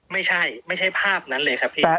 ไม่ใช่ไม่ใช่ภาพนั้นเลยครับพี่